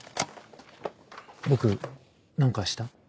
僕何かした？